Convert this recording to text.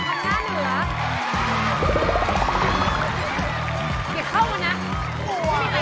อย่าเข้ามานะ